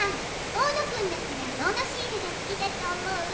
大野君だったらどのシールが好きだと思う？